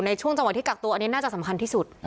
ในช่วงจังหวะที่กักตัวอันนี้น่าจะสำคัญที่สุด